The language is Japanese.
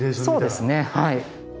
そうですねはい。